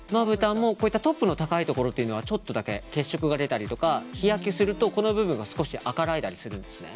トップの高いところはちょっとだけ血色が出たりとか日焼けするとこの部分が少し赤らいだりするんですね。